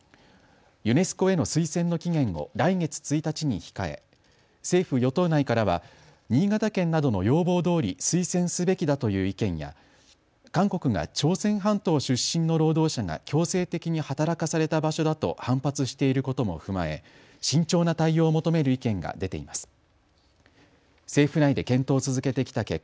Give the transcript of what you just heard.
ユネスコへの推薦の期限を来月１日に控え政府与党内からは新潟県などの要望どおり推薦すべきだという意見や韓国が朝鮮半島出身の労働者が強制的に働かされた場所だと反発していることも踏まえ慎重な対応を求める意見が出ています。